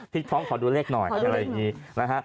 ท้องขอดูเลขหน่อยอะไรอย่างนี้นะฮะ